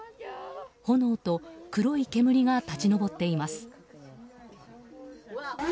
炎と黒い煙が立ち上っています。